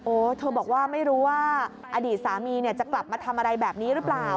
เธอบอกว่าไม่รู้ว่าอดีตสามีเนี่ยจะกลับมาทำอะไรแบบนี้หรือเปล่า